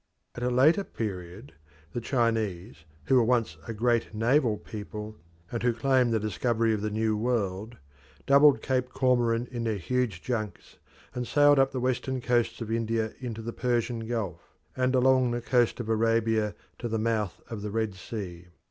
At a later period the Chinese, who were once a great naval people, and who claim the discovery of the New World, doubled Cape Comorin in their huge junks, and sailed up the western coasts of India into the Persian Gulf, and along the coast of Arabia to the mouth of the Red Sea.